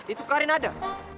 itu karin ada